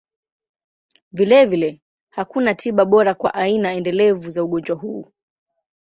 Vilevile, hakuna tiba bora kwa aina endelevu za ugonjwa huu.